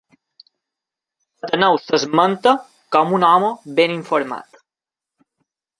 Ateneu l'esmenta com un home ben informat.